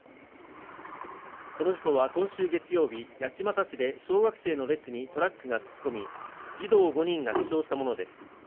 この事故は今週月曜日、八街市で小学生の列にトラックが突っ込み、児童５人が死傷したものです。